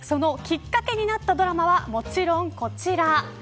そのきっかけになったドラマはもちろんこちら。